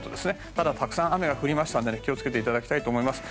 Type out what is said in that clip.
まだたくさん雨が降りましたので気を付けていただきたいと思います。